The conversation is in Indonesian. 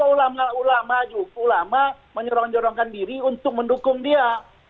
ulama menyorong yorongkan diri untuk mendukung dia